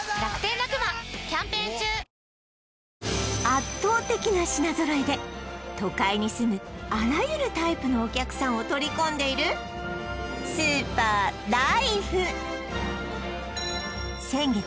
圧倒的な品揃えで都会に住むあらゆるタイプのお客さんを取り込んでいるスーパー・ライフ先月